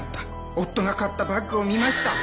夫が買ったバッグを見ました。